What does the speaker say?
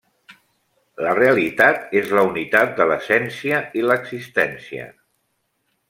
La realitat és la unitat de l'essència i l'existència.